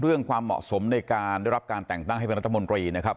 ความเหมาะสมในการได้รับการแต่งตั้งให้เป็นรัฐมนตรีนะครับ